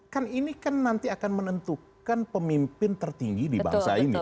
kan ini kan nanti akan menentukan pemimpin tertinggi di bangsa ini